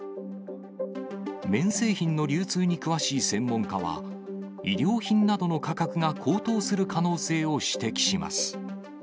綿製品の流通に詳しい専門家は、衣料品などの価格が高騰する可能性を指摘します。